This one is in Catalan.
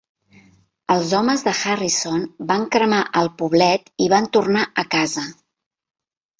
Els homes de Harrison van cremar el poblet i van tornar a casa.